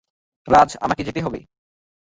রাজ, আমাকে যেতে হবে।